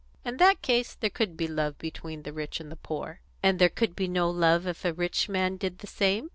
In that case there could be love between the rich and the poor." "And there could be no love if a rich man did the same?"